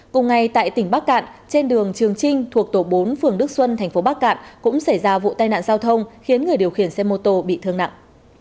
cùng ngày tại tỉnh bắc cạn trên đường trường trinh thuộc tổ bốn phường đức xuân tp bắc cạn cũng xảy ra vụ tai nạn giao thông khiến người điều khiển xe mô tô bị thương nặng